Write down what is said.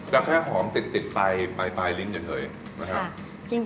จะแค่หอมติดไปปลายลิ้นเฉยนะครับ